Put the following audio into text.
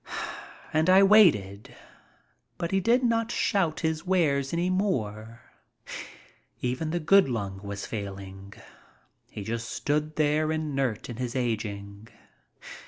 And I waited. But he did not shout his wares any more. Even the good lung was failing. He just stood there inert in his aging.